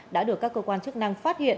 đã được các cơ quan chức năng phát hiện